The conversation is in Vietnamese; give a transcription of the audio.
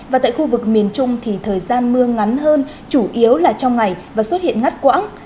và tại khu vực miền trung thì thời gian mưa ngắn hơn chủ yếu là trong ngày và xuất hiện ngắt quãng